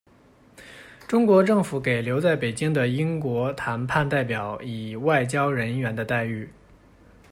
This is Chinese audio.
中国政府给留在北京的英国谈判代表以外交人员的待遇。